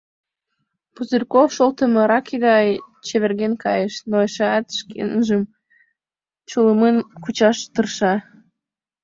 Пузырьков шолтымо раке гай чеверген кайыш, но эшеат шкенжым чулымын кучаш тырша.